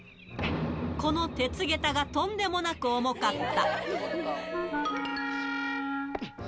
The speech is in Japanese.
この鉄げたがとんでもなく重かった。